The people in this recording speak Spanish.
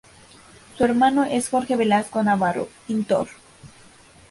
Su hermano es Jorge Velasco Navarro, pintor.